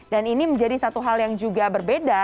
dan ini menjadi satu hal yang juga berbeda